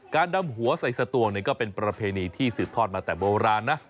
การดำหัวใส่สตวงก็เป็นประเพณีที่สืบทอดมาแต่โบราณนะ